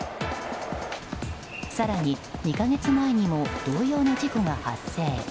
更に、２か月前にも同様の事故が発生。